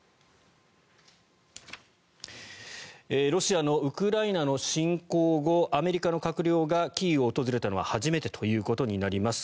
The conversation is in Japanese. ロシアのウクライナの侵攻後アメリカの閣僚がキーウを訪れたのは初めてということになります。